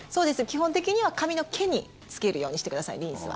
基本的には髪の毛につけるようにしてくださいリンスは。